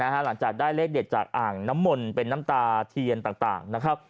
หลังจากได้เลขเด็ดจากอ่างน้ำมนต์เป็นน้ำตาเทียนต่างนะครับ